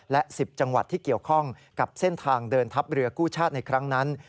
และ๑๐จังหวัดที่เกี่ยวข้องกับเส้นทางเดินทัพเรือกู้ชาติในครั้งนั้น